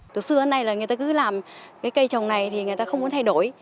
từ xưa đến nay là người ta cứ làm cái cây trồng này thì người ta không muốn thay đổi